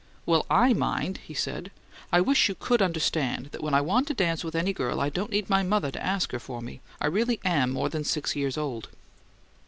"Well, I mind!" he said. "I wish you COULD understand that when I want to dance with any girl I don't need my mother to ask her for me. I really AM more than six years old!"